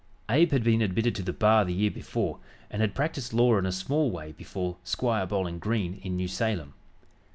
Abe had been admitted to the bar the year before, and had practiced law in a small way before Squire Bowling Green in New Salem.